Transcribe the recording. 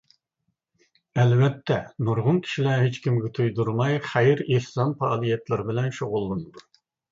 ئەلۋەتتە، نۇرغۇن كىشىلەر ھېچكىمگە تۇيدۇرماي خەير-ئېھسان پائالىيەتلىرى بىلەن شۇغۇللىنىدۇ.